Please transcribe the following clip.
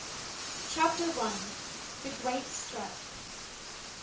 CHAPTER I. THE GREAT STRIKE.